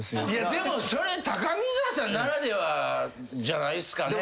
でもそれ高見沢さんならではじゃないっすかね。